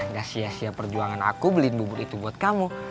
gak sia sia perjuangan aku beliin bubur itu buat kamu